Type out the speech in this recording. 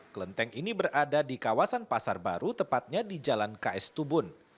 kelenteng ini berada di kawasan pasar baru tepatnya di jalan ks tubun